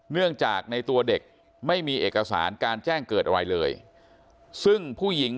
เนื่องจากในตัวเด็กไม่มีเอกสารการแจ้งเกิดอะไรเลยซึ่งผู้หญิง